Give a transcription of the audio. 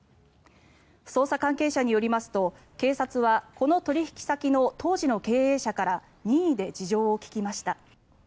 捜査関係者によりますと、警察はこの取引先の当時の経営者から任意で事情を聴きました。